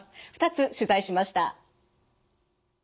２つ取材しました。